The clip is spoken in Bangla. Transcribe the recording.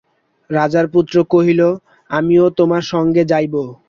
রাজার পুত্র কহিল, আমিও তোমার সঙ্গে যাইব।